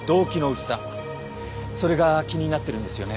それが気になってるんですよね？